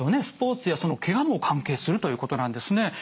スポーツやけがも関係するということなんですね。